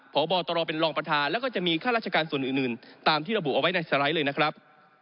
พบตรเป็นรองประธานแล้วก็จะมีค่าราชการส่วนอื่นตามที่ระบุเอาไว้ในสไลด์เลยนะครับ